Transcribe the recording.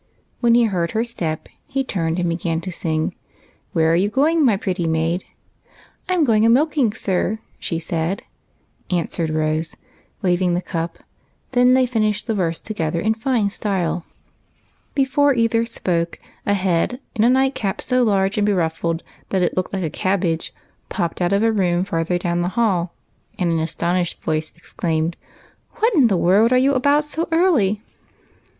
When he heard her step, he turned about and began to sing, —" Where are you going, my pretty maid ?"" I 'm going a milking, sir, she said," answered Rose, waving the cup ; and then they finished the verse to gether in fine style. Before either sj^oke, a head, in a nightcap so large and beruffled that it looked like a cabbage, popped out of a room farther down the hall, and an astonished voice exclaimed, —" What in the world are you about so early